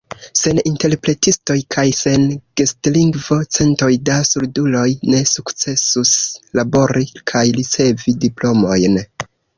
Sen interpretistoj kaj sen gestlingvo, centoj da surduloj ne sukcesus labori kaj ricevi diplomojn.